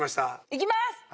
いきます。